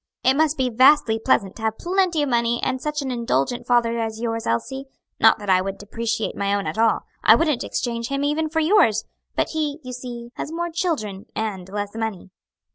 "It must be vastly pleasant to have plenty of money and such an indulgent father as yours, Elsie. Not that I would depreciate my own at all I wouldn't exchange him even for yours but he, you see, has more children and less money."